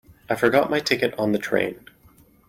I forgot my ticket on the train.